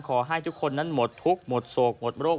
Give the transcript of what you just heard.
ขอให้ทุกคนนั้นหมดทุกข์หมดโศกหมดโรค